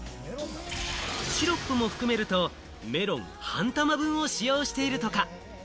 シロップも含めると、メロン半玉分を使用しているとか。